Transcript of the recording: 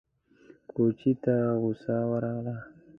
کوچي ته غوسه ورغله!